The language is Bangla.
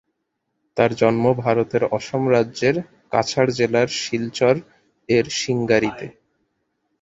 তার জন্ম ভারতের অসম রাজ্যর কাছাড় জেলার শিলচর এর সিংগারিতে।